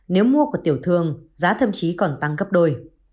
nếu mua của tiểu thương giá thậm chí còn tăng gấp đôi